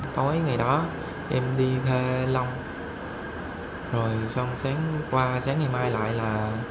tối ngày đó em đi thê long rồi xong sáng qua sáng ngày mai lại là